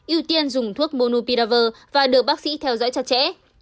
ưu tiên dùng thuốc monopiravir và được bác sĩ theo dõi chặt chẽ